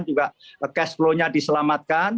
juga cash flow nya diselamatkan